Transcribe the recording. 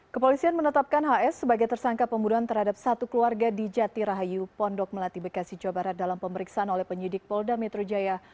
kepolisian menetapkan hs sebagai tersangka pembunuhan terhadap satu keluarga di jati rahayu pondok melati bekasi jawa barat dalam pemeriksaan oleh penyidik polda metro jaya